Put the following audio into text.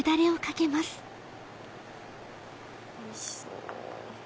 おいしそう。